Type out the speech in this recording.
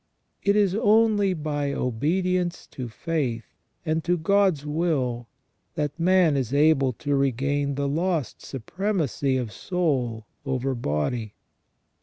It is only by obedience to faith and to God's will that man is able to regain the lost supremacy of soul over body.